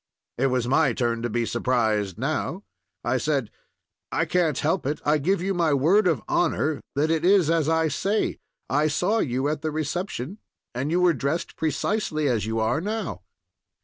It was my turn to be surprised now. I said: "I can't help it. I give you my word of honor that it is as I say. I saw you at the reception, and you were dressed precisely as you are now.